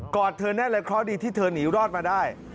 อดเธอแน่นเลยเคราะห์ดีที่เธอหนีรอดมาได้